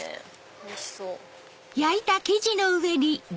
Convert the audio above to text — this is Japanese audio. おいしそう！